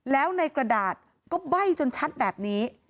แล้วในกระดาษก็ใบ้จนชัดแบบนี้